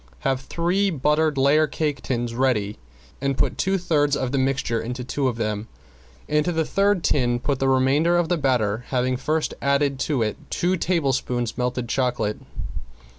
Have three buttered layer cake tins ready and put two thirds of the mixture into two of them, into the third tin put the remainder of the batter, having first added to it two tablespoons melted chocolate.